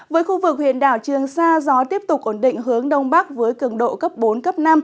với khu vực huyện đảo trường sa gió tiếp tục ổn định hướng đông bắc với cường độ cấp bốn cấp năm